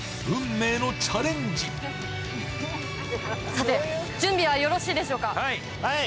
さて、準備はよろしいでしょうか